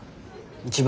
一番